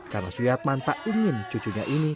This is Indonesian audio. karena suyat mang tak ingin cucunya ini